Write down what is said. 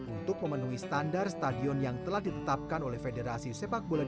untuk memenuhi standar stadion yang telah ditetapkan oleh federasi sepak bola